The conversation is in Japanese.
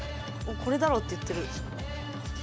これだろって言ってる。